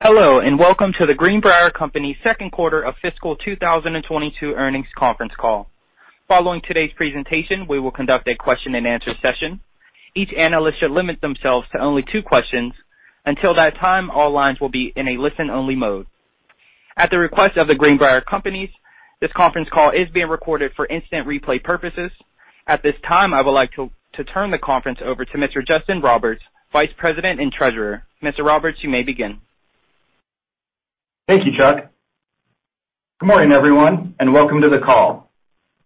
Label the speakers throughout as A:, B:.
A: Hello, and welcome to The Greenbrier Companies second quarter of fiscal 2022 earnings conference call. Following today's presentation, we will conduct a question-and-answer session. Each analyst should limit themselves to only two questions. Until that time, all lines will be in a listen-only mode. At the request of The Greenbrier Companies, this conference call is being recorded for instant replay purposes. At this time, I would like to turn the conference over to Mr. Justin Roberts, Vice President and Treasurer. Mr. Roberts, you may begin.
B: Thank you, Chuck. Good morning, everyone, and welcome to the call.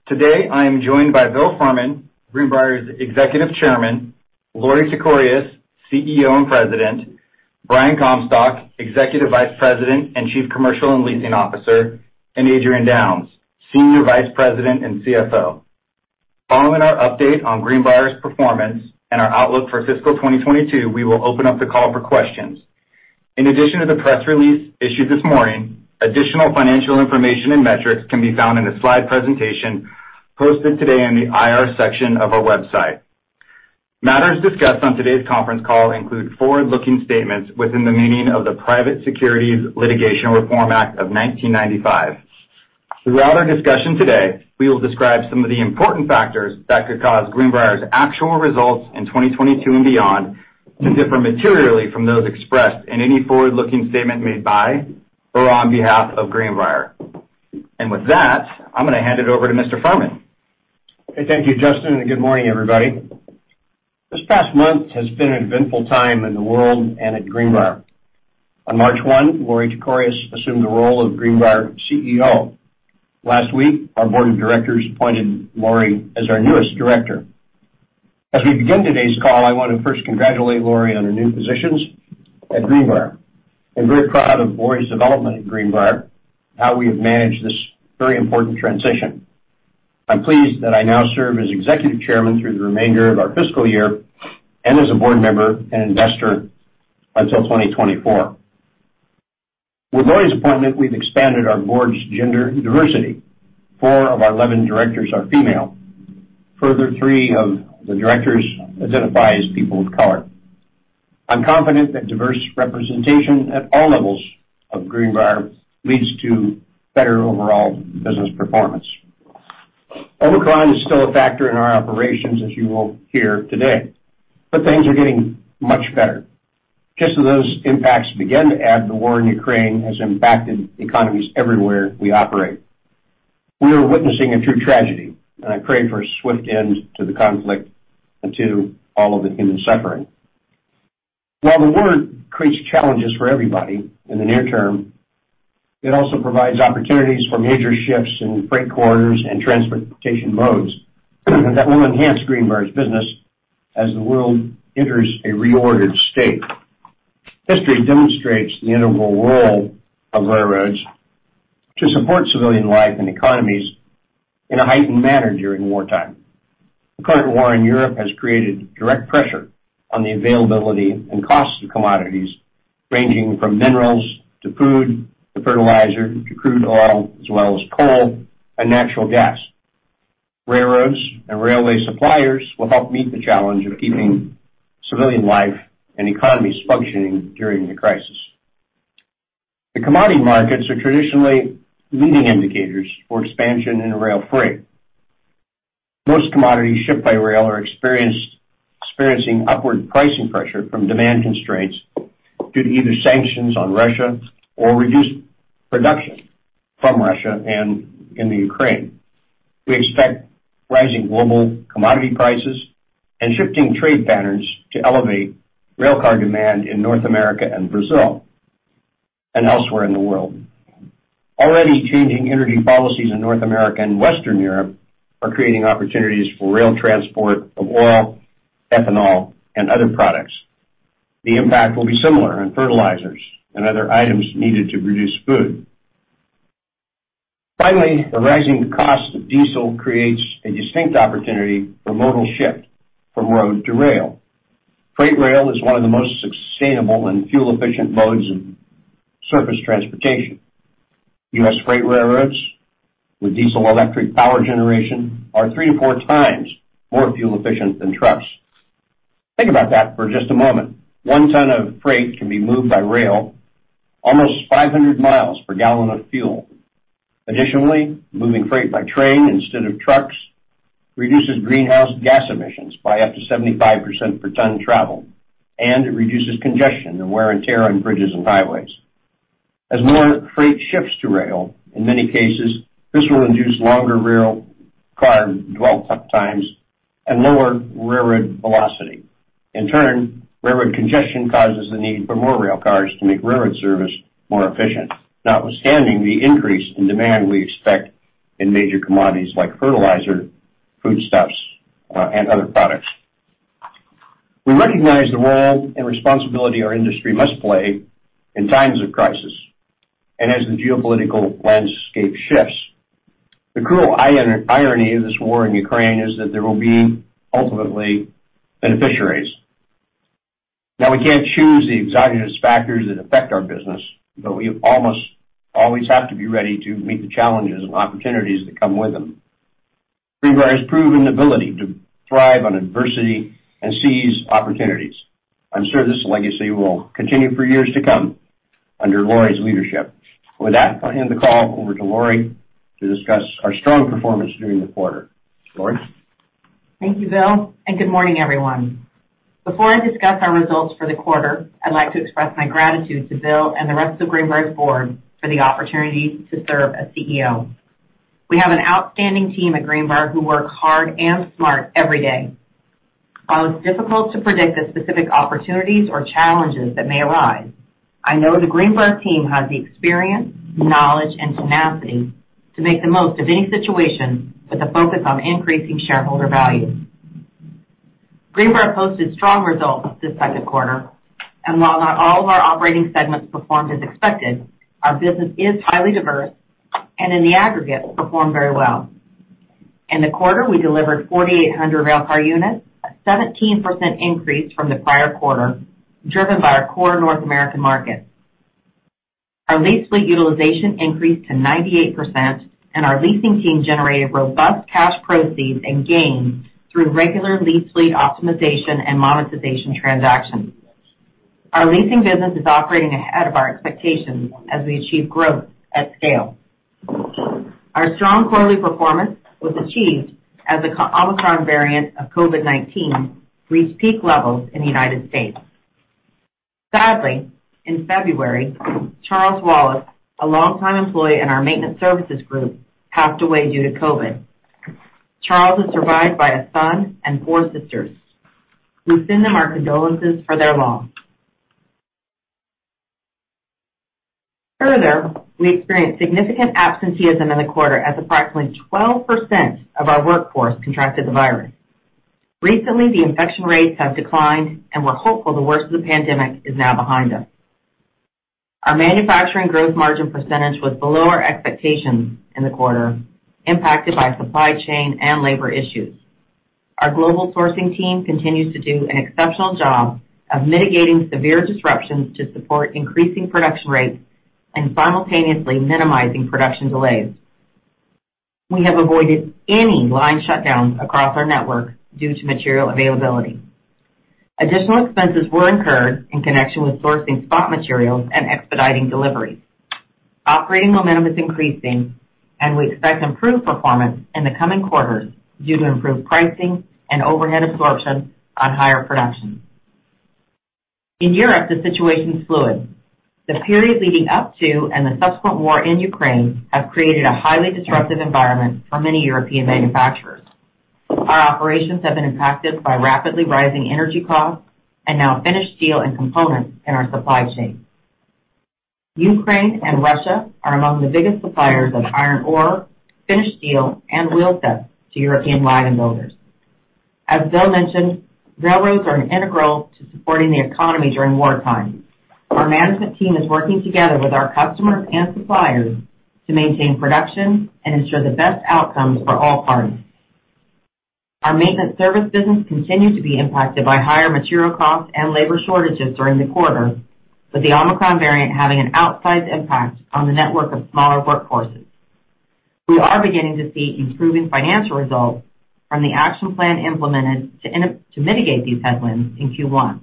B: Today, I am joined by Bill Furman, Greenbrier's Executive Chairman, Lorie Tekorius, CEO and President, Brian Comstock, Executive Vice President and Chief Commercial and Leasing Officer, and Adrian Downes, Senior Vice President and CFO. Following our update on Greenbrier's performance and our outlook for fiscal 2022, we will open up the call for questions. In addition to the press release issued this morning, additional financial information and metrics can be found in the slide presentation posted today on the IR section of our website. Matters discussed on today's conference call include forward-looking statements within the meaning of the Private Securities Litigation Reform Act of 1995. Throughout our discussion today, we will describe some of the important factors that could cause Greenbrier's actual results in 2022 and beyond to differ materially from those expressed in any forward-looking statement made by or on behalf of Greenbrier. With that, I'm gonna hand it over to Mr. Furman.
C: Okay, thank you, Justin, and good morning, everybody. This past month has been an eventful time in the world and at Greenbrier. On March 1, Lorie Tekorius assumed the role of Greenbrier CEO. Last week, our board of directors appointed Lorie as our newest director. As we begin today's call, I wanna first congratulate Lorie on her new positions at Greenbrier. I'm very proud of Lorie's development at Greenbrier and how we have managed this very important transition. I'm pleased that I now serve as Executive Chairman through the remainder of our fiscal year and as a board member and investor until 2024. With Lorie's appointment, we've expanded our board's gender diversity. Four of our 11 directors are female. Further, three of the directors identify as people of color. I'm confident that diverse representation at all levels of Greenbrier leads to better overall business performance. Omicron is still a factor in our operations, as you will hear today, but things are getting much better. Just as those impacts begin to ebb, the war in Ukraine has impacted economies everywhere we operate. We are witnessing a true tragedy, and I pray for a swift end to the conflict and to all of the human suffering. While the war creates challenges for everybody in the near term, it also provides opportunities for major shifts in freight corridors and transportation modes that will enhance Greenbrier's business as the world enters a reordered state. History demonstrates the integral role of railroads to support civilian life and economies in a heightened manner during wartime. The current war in Europe has created direct pressure on the availability and cost of commodities, ranging from minerals to food, to fertilizer, to crude oil, as well as coal and natural gas. Railroads and railway suppliers will help meet the challenge of keeping civilian life and economies functioning during the crisis. The commodity markets are traditionally leading indicators for expansion in rail freight. Most commodities shipped by rail are experiencing upward pricing pressure from demand constraints due to either sanctions on Russia or reduced production from Russia and in the Ukraine. We expect rising global commodity prices and shifting trade patterns to elevate railcar demand in North America and Brazil and elsewhere in the world. Already, changing energy policies in North America and Western Europe are creating opportunities for rail transport of oil, ethanol, and other products. The impact will be similar on fertilizers and other items needed to produce food. Finally, the rising cost of diesel creates a distinct opportunity for modal shift from road to rail. Freight rail is one of the most sustainable and fuel-efficient modes of surface transportation. US freight railroads with diesel electric power generation are 3-4 times more fuel efficient than trucks. Think about that for just a moment. One ton of freight can be moved by rail almost 500 miles per gallon of fuel. Additionally, moving freight by train instead of trucks reduces greenhouse gas emissions by up to 75% per ton traveled and reduces congestion and wear and tear on bridges and highways. As more freight shifts to rail, in many cases, this will induce longer rail car dwell times and lower railroad velocity. In turn, railroad congestion causes the need for more rail cars to make railroad service more efficient, notwithstanding the increase in demand we expect in major commodities like fertilizer, foodstuffs, and other products. We recognize the role and responsibility our industry must play in times of crisis and as the geopolitical landscape shifts. The cruel irony of this war in Ukraine is that there will be ultimately beneficiaries. Now, we can't choose the exogenous factors that affect our business, but we almost always have to be ready to meet the challenges and opportunities that come with them. Greenbrier's proven ability to thrive on adversity and seize opportunities. I'm sure this legacy will continue for years to come under Lorie's leadership. With that, I hand the call over to Lorie to discuss our strong performance during the quarter. Lorie?
D: Thank you, Bill, and good morning, everyone. Before I discuss our results for the quarter, I'd like to express my gratitude to Bill and the rest of Greenbrier's board for the opportunity to serve as CEO. We have an outstanding team at Greenbrier who work hard and smart every day. While it's difficult to predict the specific opportunities or challenges that may arise, I know the Greenbrier team has the experience, knowledge, and tenacity to make the most of any situation with a focus on increasing shareholder value. Greenbrier posted strong results this second quarter, and while not all of our operating segments performed as expected, our business is highly diverse and, in the aggregate, performed very well. In the quarter, we delivered 4,800 railcar units, a 17% increase from the prior quarter, driven by our core North American market. Our lease fleet utilization increased to 98%, and our leasing team generated robust cash proceeds and gains through regular lease fleet optimization and monetization transactions. Our leasing business is operating ahead of our expectations as we achieve growth at scale. Our strong quarterly performance was achieved as the Omicron variant of COVID-19 reached peak levels in the United States. Sadly, in February, Charles Wallace, a longtime employee in our maintenance services group, passed away due to COVID-19. Charles is survived by a son and four sisters. We send them our condolences for their loss. Further, we experienced significant absenteeism in the quarter as approximately 12% of our workforce contracted the virus. Recently, the infection rates have declined, and we're hopeful the worst of the pandemic is now behind us. Our manufacturing growth margin percentage was below our expectations in the quarter, impacted by supply chain and labor issues. Our global sourcing team continues to do an exceptional job of mitigating severe disruptions to support increasing production rates and simultaneously minimizing production delays. We have avoided any line shutdowns across our network due to material availability. Additional expenses were incurred in connection with sourcing spot materials and expediting deliveries. Operating momentum is increasing, and we expect improved performance in the coming quarters due to improved pricing and overhead absorption on higher production. In Europe, the situation is fluid. The period leading up to and the subsequent war in Ukraine have created a highly disruptive environment for many European manufacturers. Our operations have been impacted by rapidly rising energy costs and now finished steel and components in our supply chain. Ukraine and Russia are among the biggest suppliers of iron ore, finished steel, and wheel sets to European wagon builders. As Bill mentioned, railroads are integral to supporting the economy during wartime. Our management team is working together with our customers and suppliers to maintain production and ensure the best outcomes for all parties. Our maintenance service business continued to be impacted by higher material costs and labor shortages during the quarter, with the Omicron variant having an outsized impact on the network of smaller workforces. We are beginning to see improving financial results from the action plan implemented to mitigate these headwinds in Q1.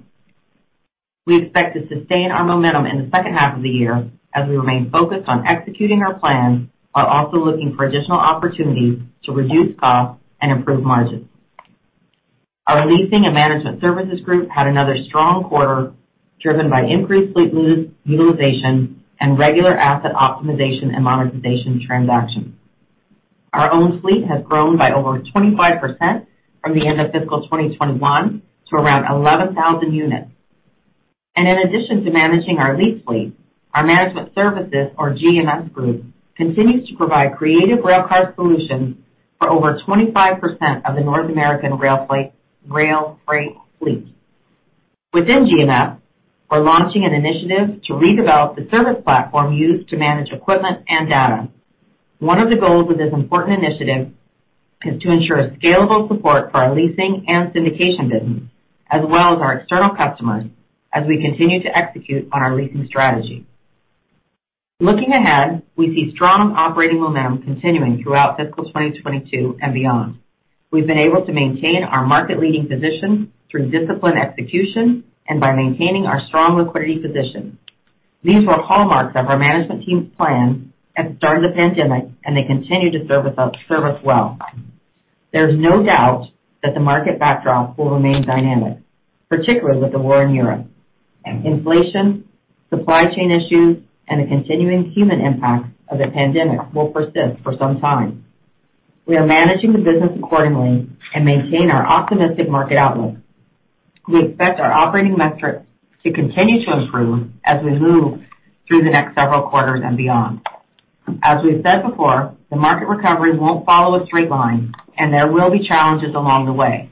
D: We expect to sustain our momentum in the second half of the year as we remain focused on executing our plan, while also looking for additional opportunities to reduce costs and improve margins. Our leasing and management services group had another strong quarter, driven by increased fleet moves, utilization, and regular asset optimization and monetization transactions. Our own fleet has grown by over 25% from the end of fiscal 2021 to around 11,000 units. In addition to managing our lease fleet, our management services or GMS group continues to provide creative railcar solutions for over 25% of the North American rail freight fleet. Within GMS, we're launching an initiative to redevelop the service platform used to manage equipment and data. One of the goals of this important initiative is to ensure scalable support for our leasing and syndication business, as well as our external customers as we continue to execute on our leasing strategy. Looking ahead, we see strong operating momentum continuing throughout fiscal 2022 and beyond. We've been able to maintain our market-leading position through disciplined execution and by maintaining our strong liquidity position. These were hallmarks of our management team's plan at the start of the pandemic, and they continue to serve us well. There's no doubt that the market backdrop will remain dynamic, particularly with the war in Europe. Inflation, supply chain issues, and the continuing human impact of the pandemic will persist for some time. We are managing the business accordingly and maintain our optimistic market outlook. We expect our operating metrics to continue to improve as we move through the next several quarters and beyond. As we've said before, the market recovery won't follow a straight line and there will be challenges along the way.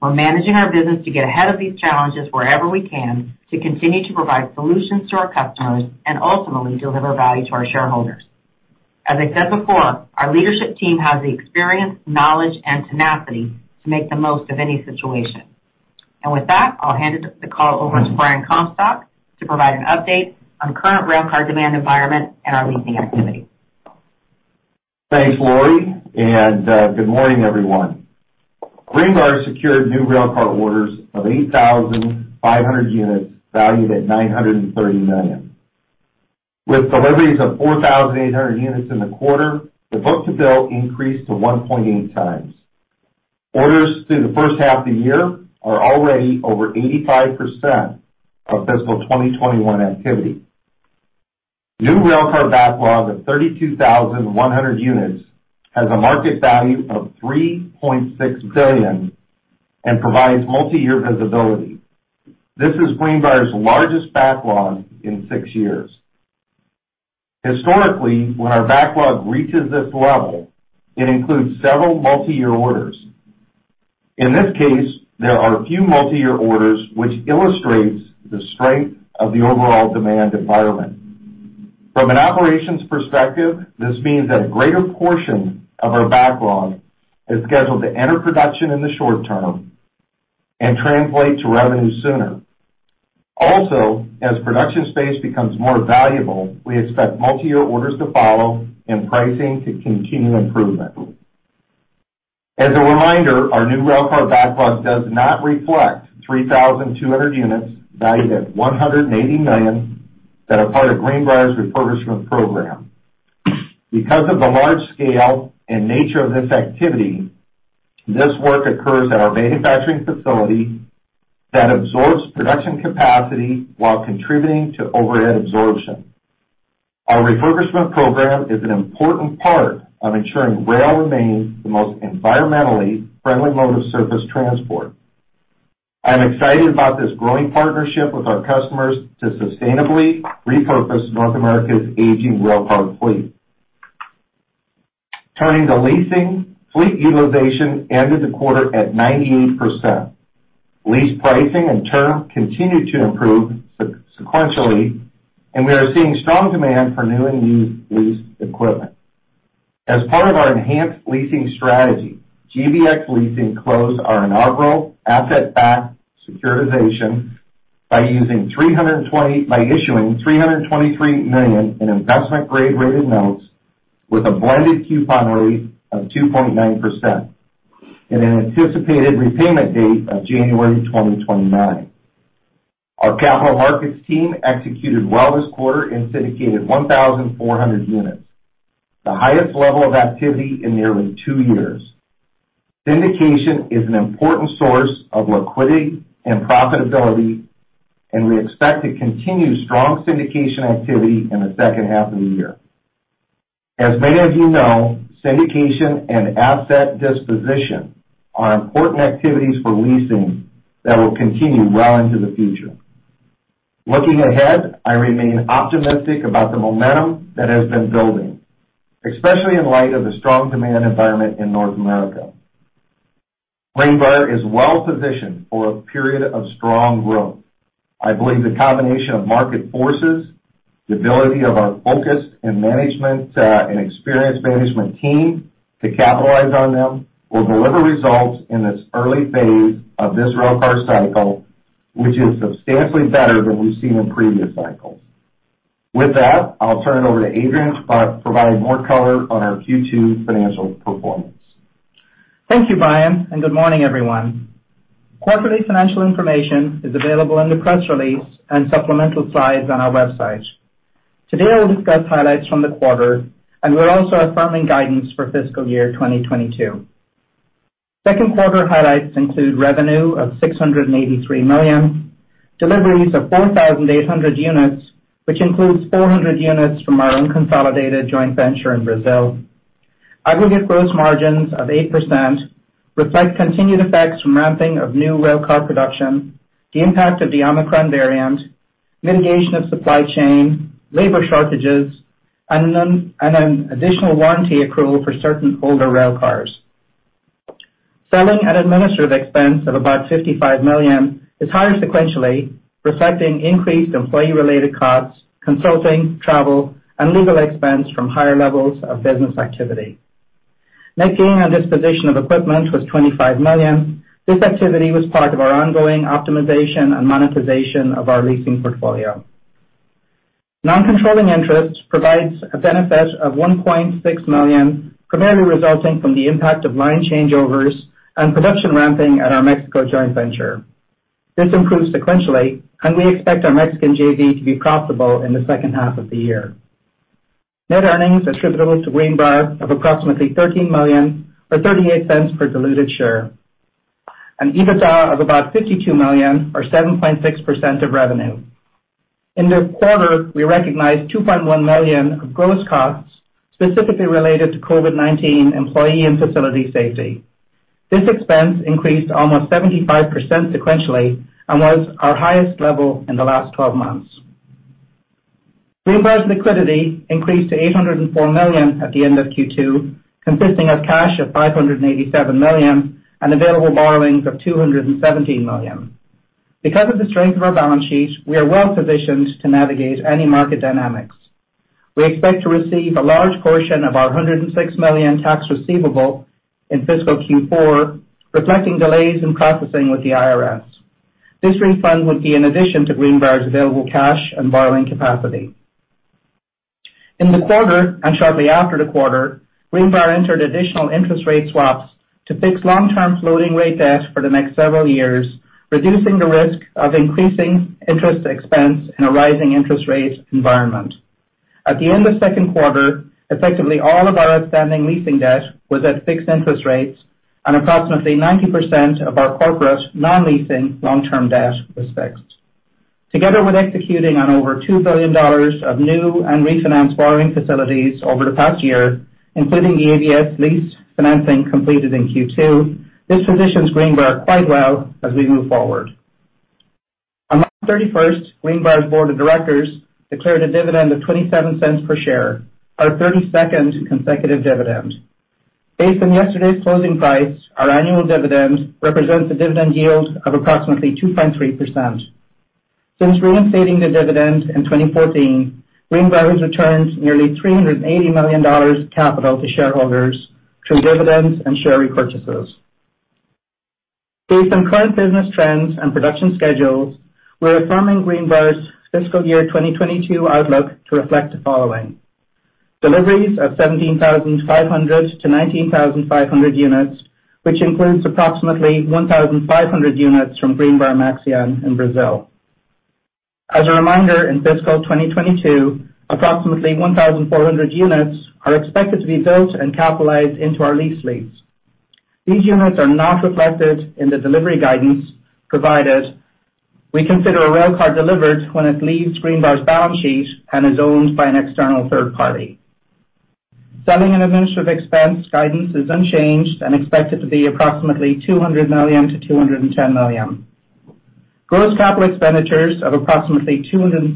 D: We're managing our business to get ahead of these challenges wherever we can to continue to provide solutions to our customers and ultimately deliver value to our shareholders. As I said before, our leadership team has the experience, knowledge, and tenacity to make the most of any situation. With that, I'll hand the call over to Brian Comstock to provide an update on the current railcar demand environment and our leasing activity.
E: Thanks, Lori, and good morning, everyone. Greenbrier secured new railcar orders of 8,500 units valued at $930 million. With deliveries of 4,800 units in the quarter, the book-to-bill increased to 1.8 times. Orders through the first half of the year are already over 85% of fiscal 2021 activity. New railcar backlog of 32,100 units has a market value of $3.6 billion and provides multiyear visibility. This is Greenbrier's largest backlog in six years. Historically, when our backlog reaches this level, it includes several multiyear orders. In this case, there are a few multiyear orders which illustrates the strength of the overall demand environment. From an operations perspective, this means that a greater portion of our backlog is scheduled to enter production in the short term and translate to revenue sooner. Also, as production space becomes more valuable, we expect multiyear orders to follow and pricing to continue improvement. As a reminder, our new railcar backlog does not reflect 3,200 units valued at $180 million that are part of Greenbrier's refurbishment program. Because of the large scale and nature of this activity, this work occurs at our manufacturing facility that absorbs production capacity while contributing to overhead absorption. Our refurbishment program is an important part of ensuring rail remains the most environmentally friendly mode of surface transport. I'm excited about this growing partnership with our customers to sustainably repurpose North America's aging railcar fleet. Turning to leasing, fleet utilization ended the quarter at 98%. Lease pricing and term continued to improve sequentially, and we are seeing strong demand for new and used leased equipment. As part of our enhanced leasing strategy, GBX Leasing closed our inaugural asset-backed securitization by issuing $323 million in investment grade rated notes with a blended coupon rate of 2.9% and an anticipated repayment date of January 2029. Our capital markets team executed well this quarter and syndicated 1,400 units, the highest level of activity in nearly two years. Syndication is an important source of liquidity and profitability, and we expect to continue strong syndication activity in the second half of the year. As many of you know, syndication and asset disposition are important activities for leasing that will continue well into the future. Looking ahead, I remain optimistic about the momentum that has been building, especially in light of the strong demand environment in North America. Greenbrier is well positioned for a period of strong growth. I believe the combination of market forces, the ability of our focused and experienced management team to capitalize on them will deliver results in this early phase of this railcar cycle, which is substantially better than we've seen in previous cycles. With that, I'll turn it over to Adrian to provide more color on our Q2 financial performance.
F: Thank you, Brian, and good morning, everyone. Quarterly financial information is available in the press release and supplemental slides on our website. Today, I'll discuss highlights from the quarter, and we're also affirming guidance for fiscal year 2022. Second quarter highlights include revenue of $683 million, deliveries of 4,800 units, which includes 400 units from our unconsolidated joint venture in Brazil. Aggregate gross margins of 8% reflect continued effects from ramping of new railcar production, the impact of the Omicron variant, mitigation of supply chain, labor shortages, and an additional warranty accrual for certain older railcars. Selling and administrative expense of about $55 million is higher sequentially, reflecting increased employee-related costs, consulting, travel, and legal expense from higher levels of business activity. Net gain on disposition of equipment was $25 million. This activity was part of our ongoing optimization and monetization of our leasing portfolio. Non-controlling interest provides a benefit of $1.6 million, primarily resulting from the impact of line changeovers and production ramping at our Mexico joint venture. This improved sequentially, and we expect our Mexican JV to be profitable in the second half of the year. Net earnings attributable to Greenbrier of approximately $13 million or $0.38 per diluted share, and EBITDA of about $52 million or 7.6% of revenue. In this quarter, we recognized $2.1 million of gross costs specifically related to COVID-19 employee and facility safety. This expense increased almost 75% sequentially and was our highest level in the last twelve months. Greenbrier's liquidity increased to $804 million at the end of Q2, consisting of cash of $587 million and available borrowings of $217 million. Because of the strength of our balance sheet, we are well-positioned to navigate any market dynamics. We expect to receive a large portion of our $106 million tax receivable in fiscal Q4, reflecting delays in processing with the IRS. This refund would be in addition to Greenbrier's available cash and borrowing capacity. In the quarter and shortly after the quarter, Greenbrier entered additional interest rate swaps to fix long-term floating rate debt for the next several years, reducing the risk of increasing interest expense in a rising interest rate environment. At the end of second quarter, effectively all of our outstanding leasing debt was at fixed interest rates and approximately 90% of our corporate non-leasing long-term debt was fixed. Together with executing on over $2 billion of new and refinanced borrowing facilities over the past year, including the ABS lease financing completed in Q2, this positions Greenbrier quite well as we move forward. On March 31, Greenbrier's Board of Directors declared a dividend of $0.27 per share, our 32nd consecutive dividend. Based on yesterday's closing price, our annual dividend represents a dividend yield of approximately 2.3%. Since reinstating the dividend in 2014, Greenbrier has returned nearly $380 million capital to shareholders through dividends and share repurchases. Based on current business trends and production schedules, we're affirming Greenbrier's fiscal year 2022 outlook to reflect the following: deliveries of 17,500-19,500 units, which includes approximately 1,500 units from Greenbrier Maxion in Brazil. As a reminder, in fiscal 2022, approximately 1,400 units are expected to be built and capitalized into our lease fleet. These units are not reflected in the delivery guidance provided. We consider a railcar delivered when it leaves Greenbrier's balance sheet and is owned by an external third party. Selling and administrative expense guidance is unchanged and expected to be approximately $200 million-$210 million. Gross capital expenditures of approximately $275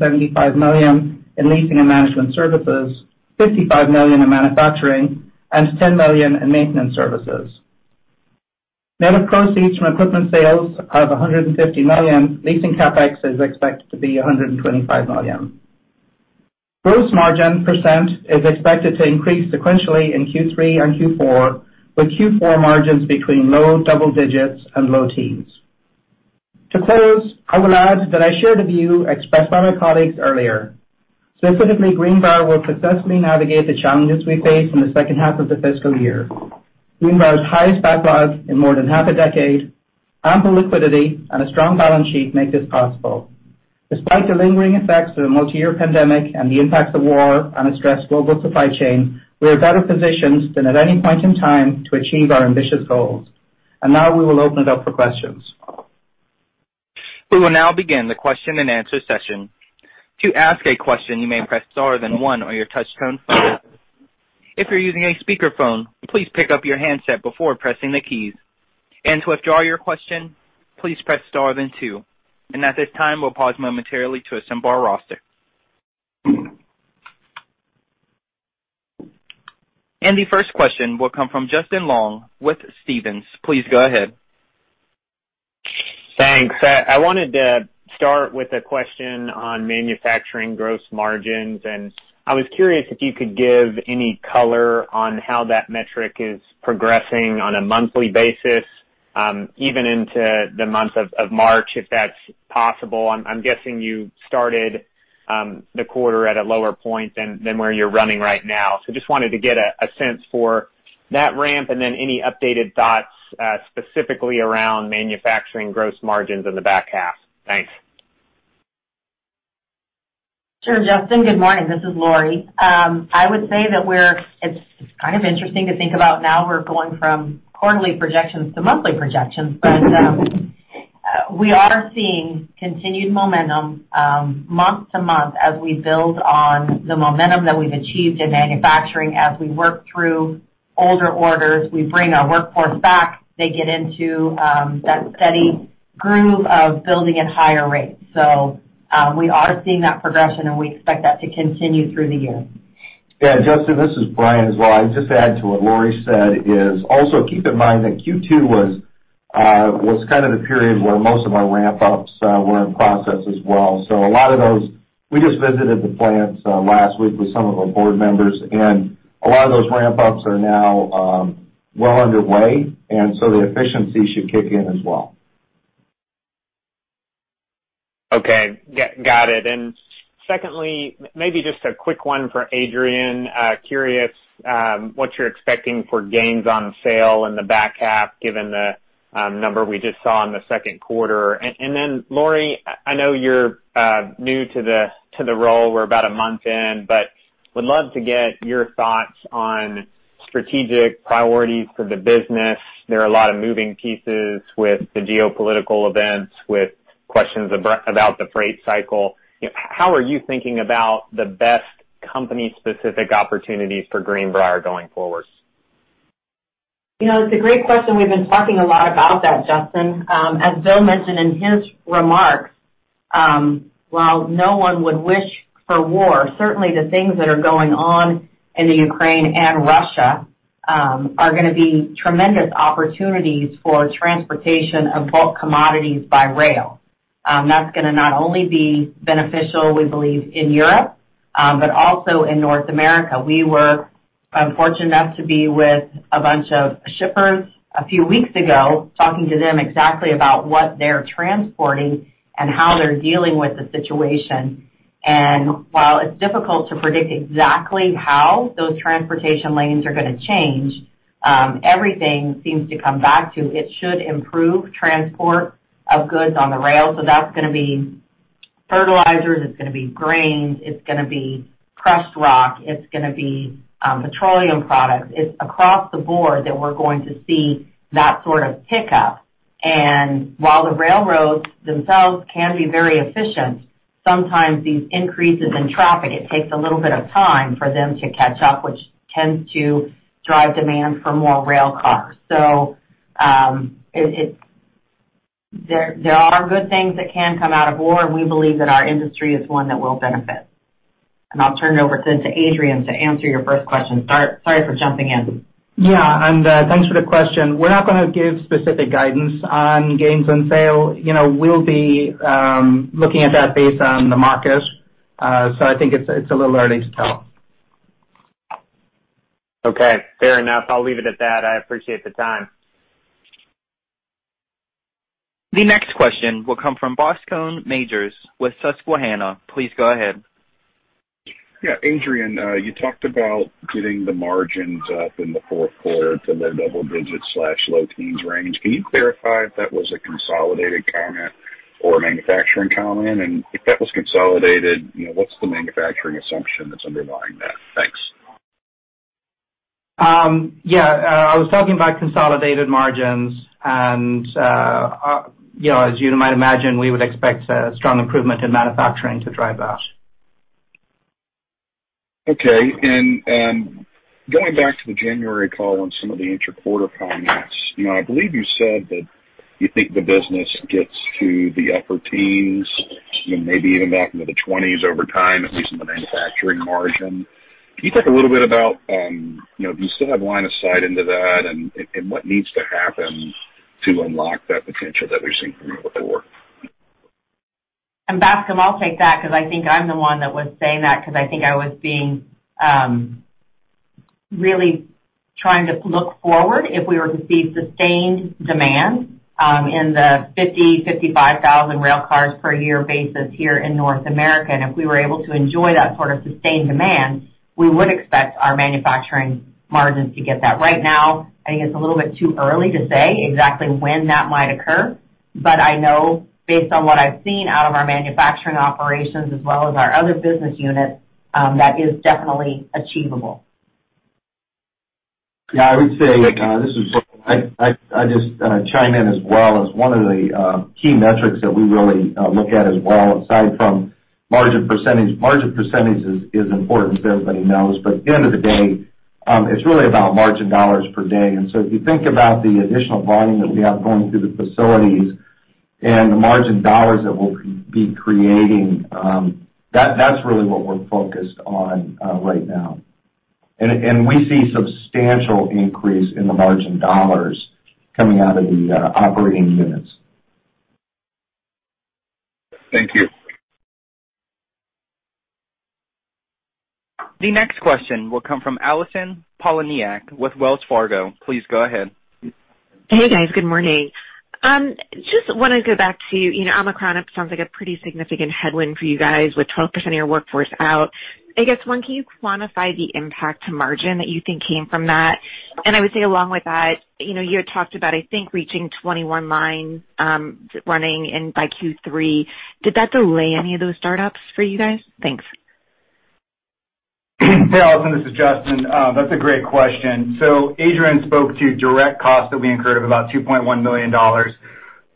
F: million in leasing and management services, $55 million in manufacturing, and $10 million in maintenance services. Net of proceeds from equipment sales of $150 million, leasing CapEx is expected to be $125 million. Gross margin percent is expected to increase sequentially in Q3 and Q4, with Q4 margins between low double digits and low teens. To close, I will add that I share the view expressed by my colleagues earlier. Specifically, Greenbrier will successfully navigate the challenges we face in the second half of the fiscal year. Greenbrier's highest backlog in more than half a decade, ample liquidity, and a strong balance sheet make this possible. Despite the lingering effects of a multi-year pandemic and the impacts of war on a stressed global supply chain, we are better positioned than at any point in time to achieve our ambitious goals. Now we will open it up for questions.
A: We will now begin the question-and-answer session. To ask a question, you may press star then one on your touch-tone phone. If you're using a speakerphone, please pick up your handset before pressing the keys. To withdraw your question, please press star then two. At this time, we'll pause momentarily to assemble our roster. The first question will come from Justin Long with Stephens. Please go ahead.
G: Thanks. I wanted to start with a question on manufacturing gross margins, and I was curious if you could give any color on how that metric is progressing on a monthly basis, even into the month of March, if that's possible. I'm guessing you started the quarter at a lower point than where you're running right now. Just wanted to get a sense for that ramp, and then any updated thoughts, specifically around manufacturing gross margins in the back half. Thanks.
D: Sure, Justin. Good morning. This is Lori. I would say that it's kind of interesting to think about now we're going from quarterly projections to monthly projections, but we are seeing continued momentum month to month as we build on the momentum that we've achieved in manufacturing. As we work through older orders, we bring our workforce back, they get into that steady groove of building at higher rates. We are seeing that progression, and we expect that to continue through the year.
F: Yeah, Justin, this is Brian as well. I'd just add to what Lori said is also keep in mind that Q2 was kind of the period where most of our ramp ups were in process as well. A lot of those ramp ups, we just visited the plants last week with some of our board members, and a lot of those ramp ups are now well underway, and so the efficiency should kick in as well.
G: Okay. Got it. Secondly, maybe just a quick one for Adrian. Curious what you're expecting for gains on sale in the back half, given the number we just saw in the second quarter. Then Lori, I know you're new to the role. We're about a month in, but would love to get your thoughts on strategic priorities for the business. There are a lot of moving pieces with the geopolitical events, with questions about the freight cycle. How are you thinking about the best company-specific opportunities for Greenbrier going forward?
D: You know, it's a great question. We've been talking a lot about that, Justin. As Bill mentioned in his remarks, while no one would wish for war, certainly the things that are going on in Ukraine and Russia are gonna be tremendous opportunities for transportation of bulk commodities by rail. That's gonna not only be beneficial, we believe, in Europe, but also in North America. We were fortunate enough to be with a bunch of shippers a few weeks ago, talking to them exactly about what they're transporting and how they're dealing with the situation. While it's difficult to predict exactly how those transportation lanes are gonna change, everything seems to come back to it should improve transport of goods on the rail. That's gonna be fertilizers, it's gonna be grains, it's gonna be crushed rock, it's gonna be petroleum products. It's across the board that we're going to see that sort of pickup. While the railroads themselves can be very efficient, sometimes these increases in traffic, it takes a little bit of time for them to catch up, which tends to drive demand for more rail cars. There are good things that can come out of war, and we believe that our industry is one that will benefit. I'll turn it over to Adrian to answer your first question. Sorry for jumping in.
B: Yeah, thanks for the question. We're not gonna give specific guidance on gains on sale. You know, we'll be looking at that based on the market. I think it's a little early to tell.
G: Okay. Fair enough. I'll leave it at that. I appreciate the time.
A: The next question will come from Bascome Majors with Susquehanna. Please go ahead.
H: Adrian, you talked about getting the margins up in the fourth quarter to mid-double-digit/low-teens% range. Can you clarify if that was a consolidated comment or a manufacturing comment? If that was consolidated, you know, what's the manufacturing assumption that's underlying that? Thanks.
I: Yeah. I was talking about consolidated margins. You know, as you might imagine, we would expect a strong improvement in manufacturing to drive that.
H: Okay. Going back to the January call on some of the intra-quarter comments, you know, I believe you said that you think the business gets to the upper teens, you know, maybe even back into the twenties over time, at least in the manufacturing margin. Can you talk a little bit about, you know, do you still have line of sight into that and what needs to happen to unlock that potential that we've seen from you before?
D: Bascome, I'll take that because I think I'm the one that was saying that because I think I was being really trying to look forward if we were to see sustained demand in the 50-55 thousand rail cars per year basis here in North America. If we were able to enjoy that sort of sustained demand, we would expect our manufacturing margins to get that. Right now, I think it's a little bit too early to say exactly when that might occur, but I know based on what I've seen out of our manufacturing operations as well as our other business units, that is definitely achievable.
E: Yeah, I would say, this is Bill. I'd just chime in as well as one of the key metrics that we really look at as well, aside from margin percentage. Margin percentage is important as everybody knows, but at the end of the day, it's really about margin dollars per day. If you think about the additional volume that we have going through the facilities and the margin dollars that we'll be creating, that's really what we're focused on right now. We see substantial increase in the margin dollars coming out of the operating units.
H: Thank you.
A: The next question will come from Allison Poliniak with Wells Fargo. Please go ahead.
J: Hey, guys. Good morning. Just wanna go back to, you know, Omicron sounds like a pretty significant headwind for you guys with 12% of your workforce out. I guess, one, can you quantify the impact to margin that you think came from that? I would say along with that, you know, you had talked about, I think, reaching 21 lines running in by Q3. Did that delay any of those startups for you guys? Thanks.
B: Hey, Allison, this is Justin. That's a great question. Adrian spoke to direct costs that we incurred of about $2.1 million,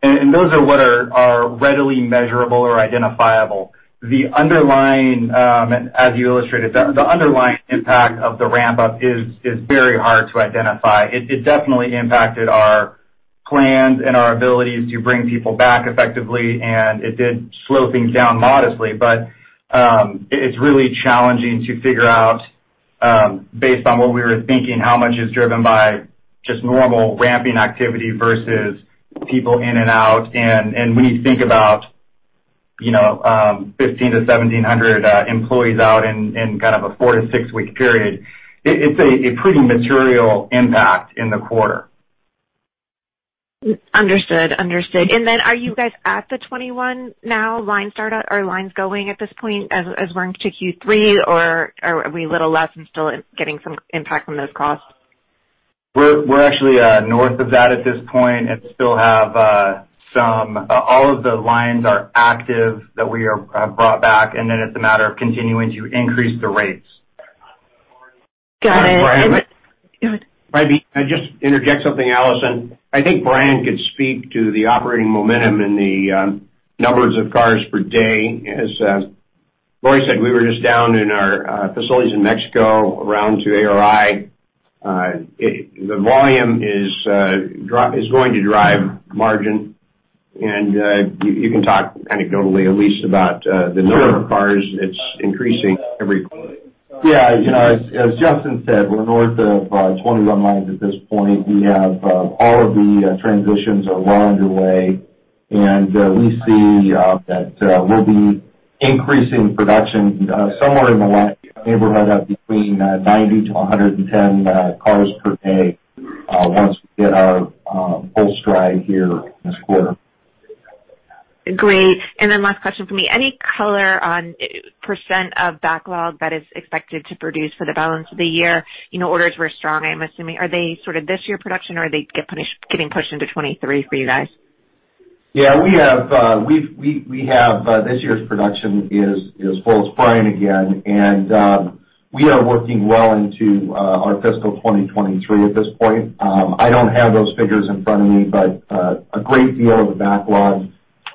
B: and those are what are readily measurable or identifiable. The underlying, as you illustrated, the underlying impact of the ramp up is very hard to identify. It definitely impacted our plans and our abilities to bring people back effectively, and it did slow things down modestly. It's really challenging to figure out, based on what we were thinking, how much is driven by just normal ramping activity versus people in and out. When you think about, you know, 1,500-1,700 employees out in kind of a 4-6 week period, it's a pretty material impact in the quarter.
J: Understood. Are you guys at the 21 now line startup or lines going at this point as we're into Q3, or are we a little less and still getting some impact from those costs?
B: We're actually north of that at this point and still have, all of the lines are active that were brought back, and then it's a matter of continuing to increase the rates.
J: Got it.
E: Sorry, Brian.
J: Go ahead.
E: If I may just interject something, Allison. I think Brian could speak to the operating momentum in the numbers of cars per day. As Lori said, we were just down in our facilities in Mexico around to ARI. The volume is going to drive margin. You can talk anecdotally at least about the number of cars that's increasing every quarter.
B: Yeah. You know, as Justin said, we're north of 21 lines at this point. We have all of the transitions are well underway.
E: We see that we'll be increasing production somewhere in the neighborhood of between 90-110 cars per day once we get our full stride here this quarter.
J: Great. Last question for me. Any color on 80% of backlog that is expected to produce for the balance of the year? You know, orders were strong, I'm assuming. Are they sort of this year production or are they getting pushed into 2023 for you guys?
E: Yeah, we have this year's production is full steam again, and we are working well into our fiscal 2023 at this point. I don't have those figures in front of me, but a great deal of the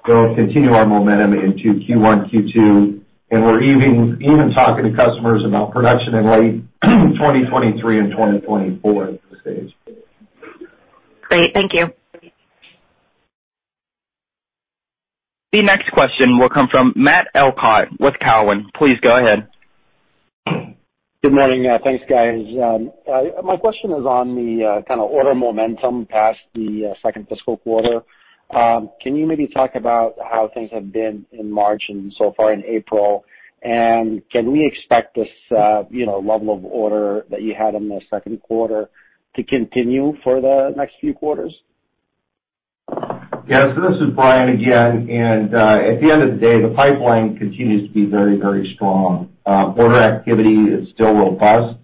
E: backlog will continue our momentum into Q1, Q2, and we're even talking to customers about production in late 2023 and 2024 at this stage.
J: Great. Thank you.
A: The next question will come from Matt Elkott with Cowen. Please go ahead.
K: Good morning. Thanks guys. My question is on the kind of order momentum past the second fiscal quarter. Can you maybe talk about how things have been in March and so far in April? Can we expect this, you know, level of order that you had in the second quarter to continue for the next few quarters?
E: Yeah. This is Brian again. At the end of the day, the pipeline continues to be very, very strong. Order activity is still robust.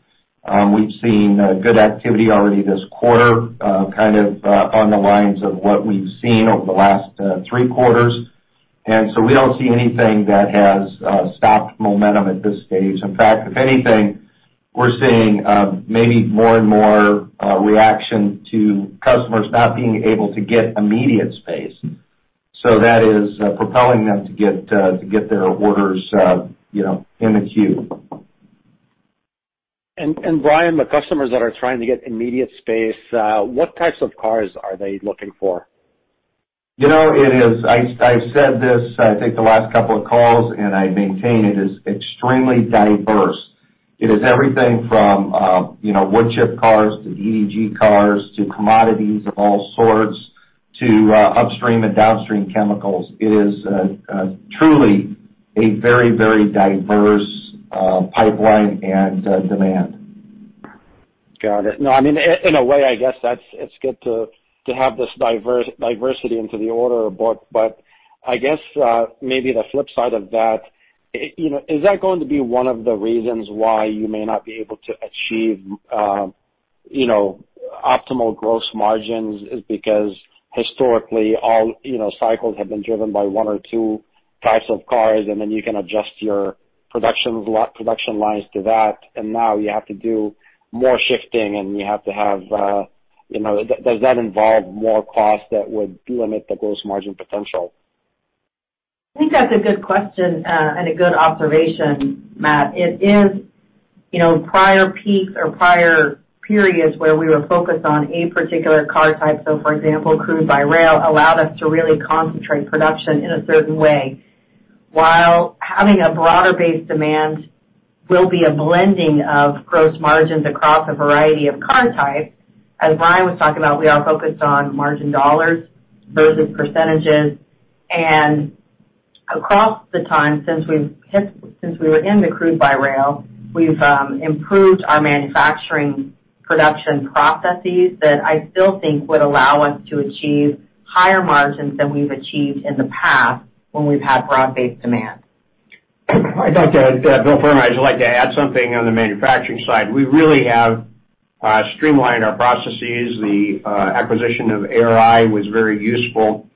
E: We've seen good activity already this quarter, kind of, on the lines of what we've seen over the last three quarters. We don't see anything that has stopped momentum at this stage. In fact, if anything, we're seeing maybe more and more reaction to customers not being able to get immediate space. That is propelling them to get their orders, you know, in the queue.
K: Brian, the customers that are trying to get immediate space, what types of cars are they looking for?
E: You know, it is. I've said this, I think the last couple of calls, and I maintain it is extremely diverse. It is everything from, you know, wood chip cars to deck cars, to commodities of all sorts, to upstream and downstream chemicals. It is truly a very, very diverse pipeline and demand.
K: Got it. No, I mean, in a way, I guess it's good to have this diversity into the order book. I guess, maybe the flip side of that, you know, is that going to be one of the reasons why you may not be able to achieve, you know, optimal gross margins, is because historically all, you know, cycles have been driven by one or two types of cars, and then you can adjust your production lines to that, and now you have to do more shifting and you have to have, you know. Does that involve more costs that would limit the gross margin potential?
D: I think that's a good question and a good observation, Matt. It is, you know, prior peaks or prior periods where we were focused on a particular car type. For example, crude by rail allowed us to really concentrate production in a certain way. While having a broader base demand will be a blending of gross margins across a variety of car types, as Brian was talking about, we are focused on margin dollars versus percentages. Across the time since we were in the crude by rail, we've improved our manufacturing production processes that I still think would allow us to achieve higher margins than we've achieved in the past when we've had broad-based demand.
E: Hi, Matt. Bill Furman. I'd just like to add something on the manufacturing side. We really have streamlined our processes. The acquisition of ARI was very useful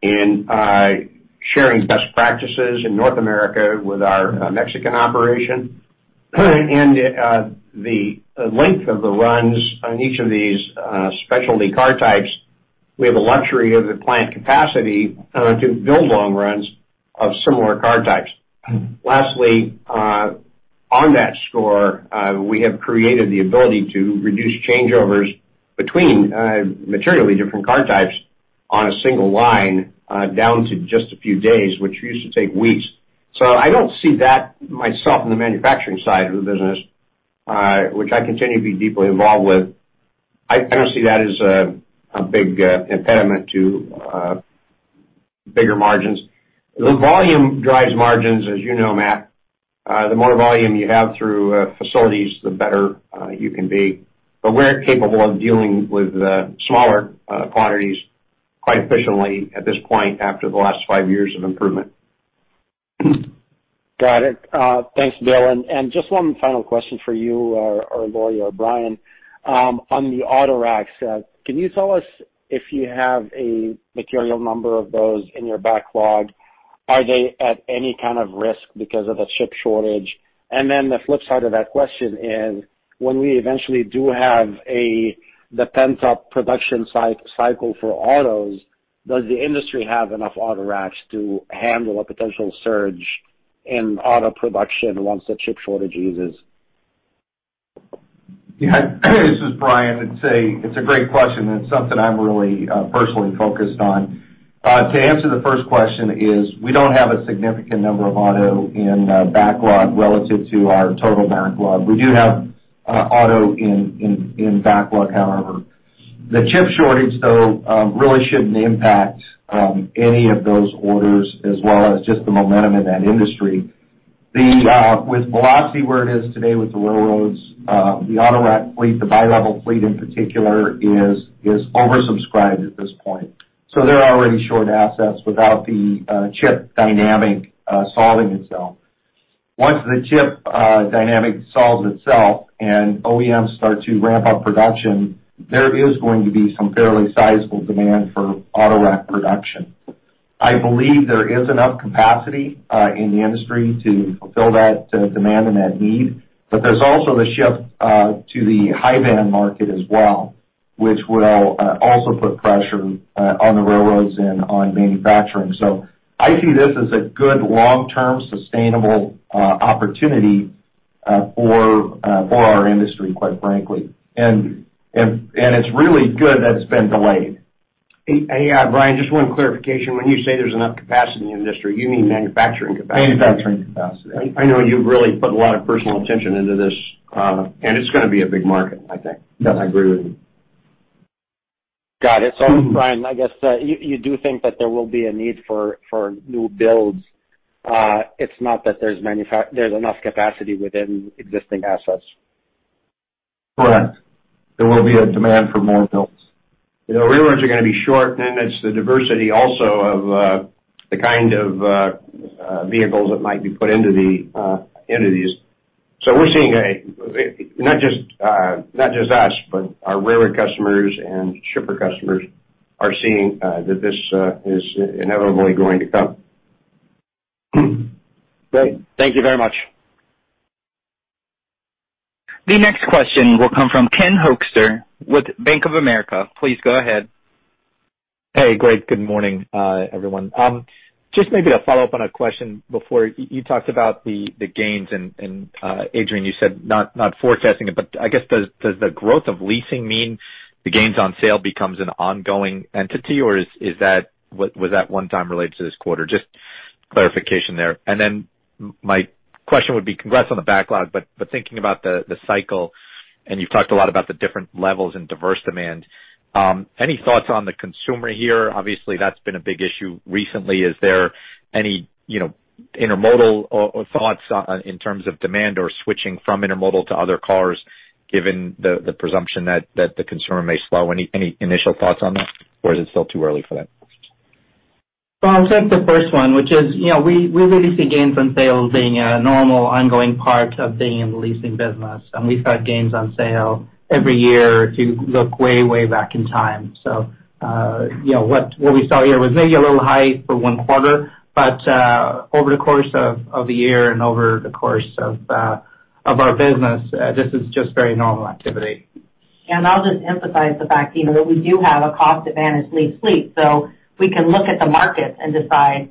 E: in sharing best practices in North America with our Mexican operation. The length of the runs on each of these specialty car types, we have the luxury of the plant capacity to build long runs of similar car types. Lastly, on that score, we have created the ability to reduce changeovers between materially different car types on a single line down to just a few days, which used to take weeks. I don't see that myself in the manufacturing side of the business, which I continue to be deeply involved with. I don't see that as a big impediment to bigger margins. The volume drives margins, as you know, Matt. The more volume you have through facilities, the better you can be. We're capable of dealing with smaller quantities quite efficiently at this point after the last five years of improvement.
K: Got it. Thanks, Bill. Just one final question for you or Laurie or Brian. On the auto racks, can you tell us if you have a material number of those in your backlog? Are they at any kind of risk because of a chip shortage? Then the flip side of that question is, when we eventually do have the pent-up production cycle for autos, does the industry have enough auto racks to handle a potential surge in auto production once the chip shortage eases?
E: Yeah. This is Brian. It's a great question, and it's something I'm really personally focused on. To answer the first question is, we don't have a significant number of auto in the backlog relative to our total backlog. We do have auto in backlog, however. The chip shortage, though, really shouldn't impact any of those orders as well as just the momentum in that industry. With velocity where it is today with the railroads, the autorack fleet, the bi-level fleet in particular, is oversubscribed at this point. They're already short assets without the chip dynamic solving itself. Once the chip dynamic solves itself and OEMs start to ramp up production, there is going to be some fairly sizable demand for autorack production. I believe there is enough capacity in the industry to fulfill that demand and that need, but there's also the shift to the hi-cube van market as well, which will also put pressure on the railroads and on manufacturing. I see this as a good long-term sustainable opportunity for our industry, quite frankly. It's really good that it's been delayed.
D: Hey, hey, Brian, just one clarification. When you say there's enough capacity in the industry, you mean manufacturing capacity?
E: Manufacturing capacity.
D: I know you've really put a lot of personal attention into this, and it's gonna be a big market, I think.
E: Yes.
D: I agree with you.
K: Got it. Brian, I guess, you do think that there will be a need for new builds. It's not that there's enough capacity within existing assets.
E: Correct. There will be a demand for more builds. You know, railroads are gonna be short, and it's the diversity also of the kind of vehicles that might be put into these. So we're seeing not just us, but our railroad customers and shipper customers are seeing that this is inevitably going to come.
K: Great. Thank you very much.
A: The next question will come from Ken Hoexter with Bank of America. Please go ahead.
L: Hey, great. Good morning, everyone. Just maybe to follow up on a question before, you talked about the gains and Adrian, you said not forecasting it, but I guess does the growth of leasing mean the gains on sale becomes an ongoing entity, or is that was that one time related to this quarter? Just clarification there. My question would be, congrats on the backlog, but thinking about the cycle, and you've talked a lot about the different levels in diverse demand, any thoughts on the consumer here? Obviously, that's been a big issue recently. Is there any you know intermodal or thoughts in terms of demand or switching from intermodal to other cars, given the presumption that the consumer may slow? Any initial thoughts on that, or is it still too early for that?
F: Well, I'll take the first one which is, you know, we really see gains on sales being a normal ongoing part of being in the leasing business, and we've had gains on sale every year if you look way back in time. You know, what we saw here was maybe a little high for one quarter, but over the course of the year and over the course of our business, this is just very normal activity.
D: I'll just emphasize the fact, you know, that we do have a cost advantage lease fleet. We can look at the market and decide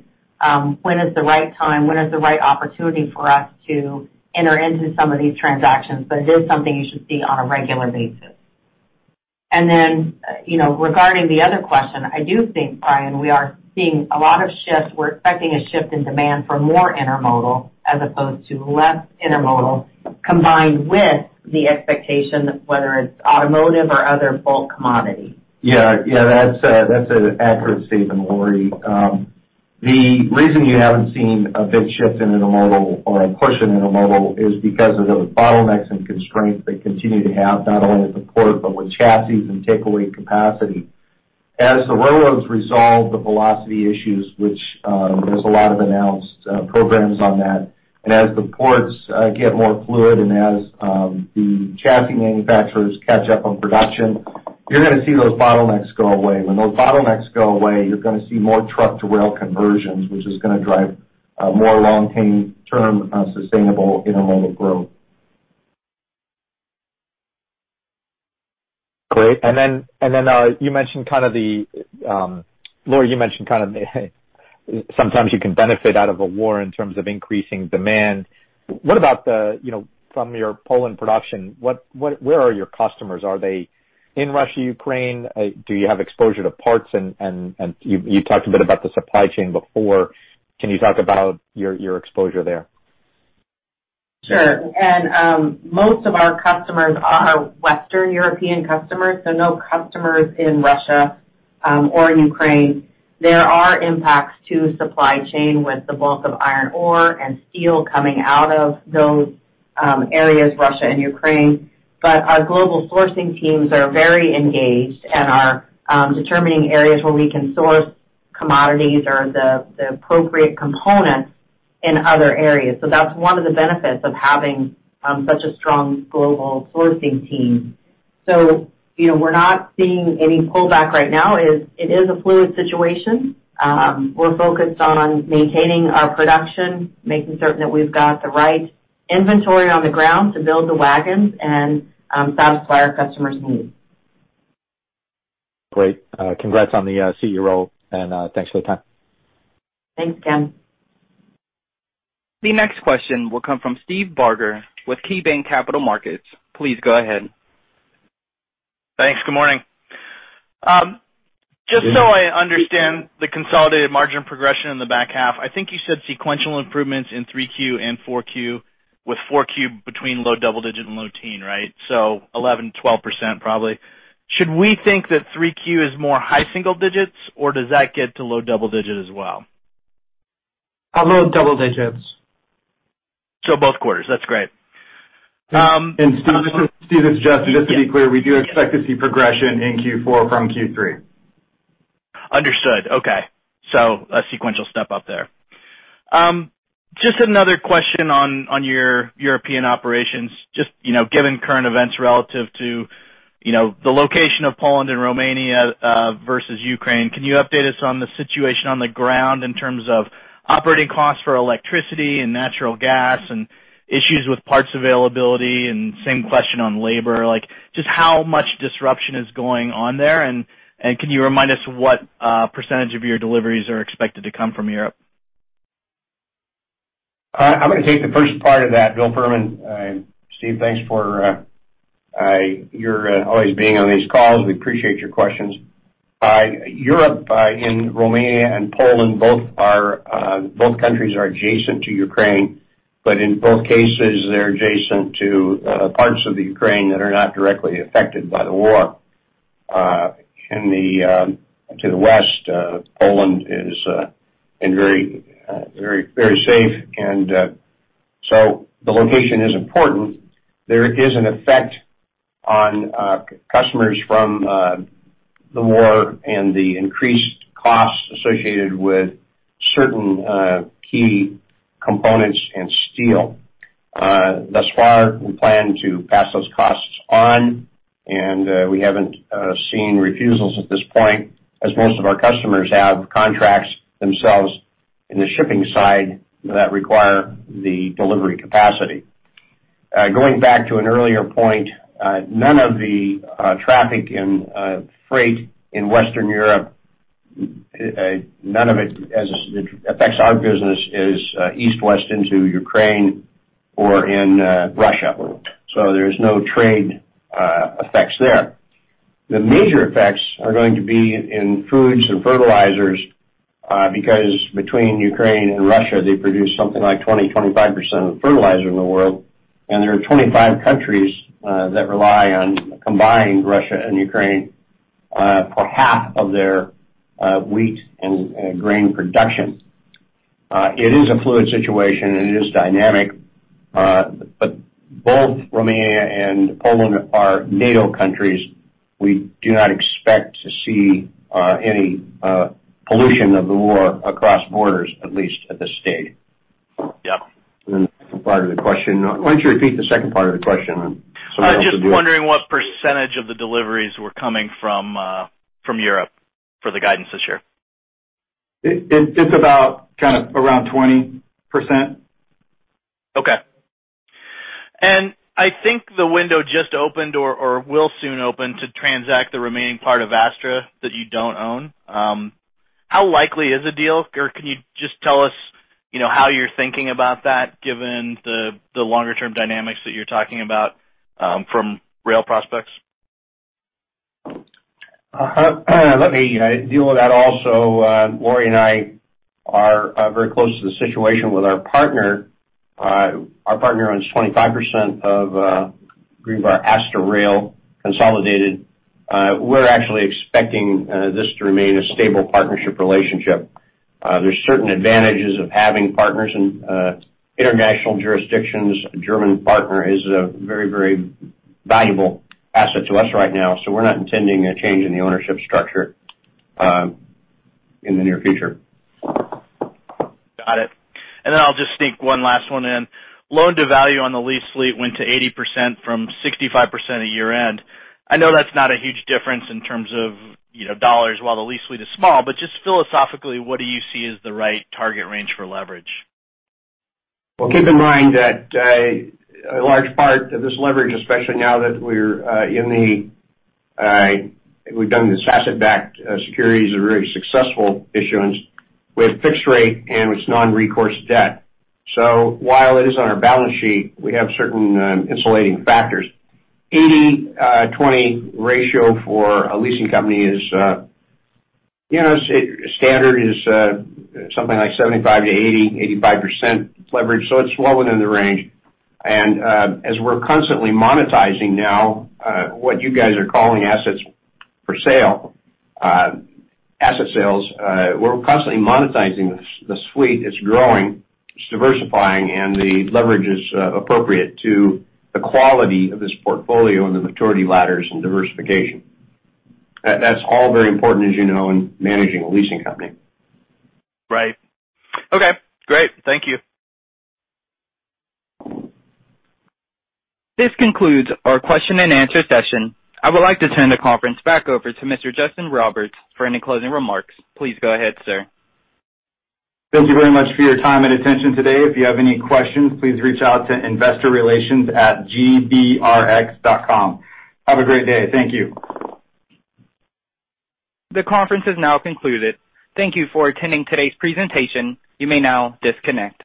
D: when is the right time, when is the right opportunity for us to enter into some of these transactions, but it is something you should see on a regular basis. Then, you know, regarding the other question, I do think, Brian, we are seeing a lot of shift. We're expecting a shift in demand for more intermodal as opposed to less intermodal, combined with the expectation whether it's automotive or other bulk commodity.
E: That's an accurate statement, Lori. The reason you haven't seen a big shift in intermodal or a push in intermodal is because of those bottlenecks and constraints that continue to have not only at the port, but with chassis and take away capacity. As the railroads resolve the velocity issues, which there's a lot of announced programs on that, and as the ports get more fluid and as the chassis manufacturers catch up on production, you're gonna see those bottlenecks go away. When those bottlenecks go away, you're gonna see more truck-to-rail conversions, which is gonna drive more long-term sustainable intermodal growth.
L: Great. Lori, you mentioned kind of sometimes you can benefit out of a war in terms of increasing demand. What about from your Poland production, where are your customers? Are they in Russia, Ukraine? Do you have exposure to parts and you talked a bit about the supply chain before. Can you talk about your exposure there?
D: Sure. Most of our customers are Western European customers, so no customers in Russia or Ukraine. There are impacts to supply chain with the bulk of iron ore and steel coming out of those areas, Russia and Ukraine. Our global sourcing teams are very engaged and are determining areas where we can source commodities or the appropriate components in other areas. That's one of the benefits of having such a strong global sourcing team. You know, we're not seeing any pullback right now. It is a fluid situation. We're focused on maintaining our production, making certain that we've got the right inventory on the ground to build the wagons and satisfy our customers' needs.
L: Great. Congrats on the CEO role, and thanks for the time.
D: Thanks, Ken.
A: The next question will come from Steve Barger with KeyBanc Capital Markets. Please go ahead.
M: Thanks. Good morning. Just so I understand the consolidated margin progression in the back half, I think you said sequential improvements in 3Q and 4Q, with 4Q between low double digit and low teen, right? 11, 12% probably. Should we think that 3Q is more high single digits, or does that get to low double digit as well?
B: Low double digits.
M: Both quarters. That's great.
B: Steve, this is Justin. Just to be clear, we do expect to see progression in Q4 from Q3.
M: Understood. Okay. A sequential step up there. Just another question on your European operations. Just, you know, given current events relative to, you know, the location of Poland and Romania versus Ukraine, can you update us on the situation on the ground in terms of operating costs for electricity and natural gas and issues with parts availability? Same question on labor. Like, just how much disruption is going on there, and can you remind us what percentage of your deliveries are expected to come from Europe?
C: I'm gonna take the first part of that. Bill Furman. Steve, thanks for you always being on these calls. We appreciate your questions. Europe in Romania and Poland both countries are adjacent to Ukraine, but in both cases they're adjacent to parts of the Ukraine that are not directly affected by the war. To the west, Poland is very safe. The location is important. There is an effect on customers from the war and the increased costs associated with certain key components and steel. Thus far, we plan to pass those costs on, and we haven't seen refusals at this point, as most of our customers have contracts themselves in the shipping side that require the delivery capacity. Going back to an earlier point, none of the traffic and freight in Western Europe, none of it as it affects our business, is east-west into Ukraine or in Russia. There's no trade effects there. The major effects are going to be in foods and fertilizers because between Ukraine and Russia, they produce something like 20%-25% of the fertilizer in the world, and there are 25 countries that rely on combined Russia and Ukraine for half of their wheat and grain production. It is a fluid situation, and it is dynamic. Both Romania and Poland are NATO countries. We do not expect to see any spillover of the war across borders, at least at this stage.
M: Yeah.
C: The second part of the question. Why don't you repeat the second part of the question?
M: I was just wondering what percentage of the deliveries were coming from Europe for the guidance this year.
B: It's about kind of around 20%.
M: Okay. I think the window just opened or will soon open to transact the remaining part of Astra that you don't own. How likely is a deal, or can you just tell us, you know, how you're thinking about that given the longer term dynamics that you're talking about from rail prospects?
C: Let me deal with that also. Laurie and I are very close to the situation with our partner. Our partner owns 25% of Greenbrier-Astra Rail consolidated. We're actually expecting this to remain a stable partnership relationship. There's certain advantages of having partners in international jurisdictions. A German partner is a very, very valuable asset to us right now, so we're not intending a change in the ownership structure in the near future.
M: Got it. I'll just sneak one last one in. Loan-to-value on the lease fleet went to 80% from 65% at year-end. I know that's not a huge difference in terms of, you know, dollars while the lease fleet is small, but just philosophically, what do you see as the right target range for leverage?
C: Well, keep in mind that a large part of this leverage, especially now that we've done this asset-backed securities, a very successful issuance, we have fixed rate and it's non-recourse debt. So while it is on our balance sheet, we have certain insulating factors. 80-20 ratio for a leasing company is, you know, standard is something like 75%-85% leverage, so it's well within the range. As we're constantly monetizing now what you guys are calling assets for sale, asset sales, we're constantly monetizing the fleet. It's growing, it's diversifying, and the leverage is appropriate to the quality of this portfolio and the maturity ladders and diversification. That's all very important, as you know, in managing a leasing company.
M: Right. Okay, great. Thank you.
A: This concludes our question and answer session. I would like to turn the conference back over to Mr. Justin Roberts for any closing remarks. Please go ahead, sir.
B: Thank you very much for your time and attention today. If you have any questions, please reach out to investorrelations@gbrx.com. Have a great day. Thank you.
A: The conference is now concluded. Thank you for attending today's presentation. You may now disconnect.